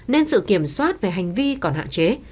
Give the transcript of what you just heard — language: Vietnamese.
nên sự kiểm soát về hành vi còn hạn chế